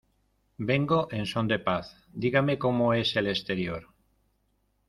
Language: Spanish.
Vengo en son de paz. Dígame como es el exterior .